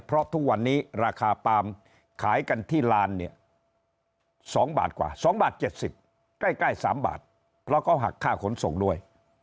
เพราะทุกวันนี้ราคาปาล์มขายกันที่ลานเนี่ย๒บาทกว่า๒บาท๗๐ใกล้๓บาทเพราะเขาหักค่าขนส่งด้วย